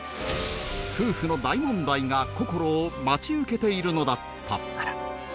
夫婦の大問題が心を待ち受けているのだった